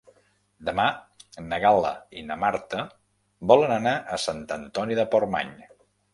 Demà na Gal·la i na Marta volen anar a Sant Antoni de Portmany.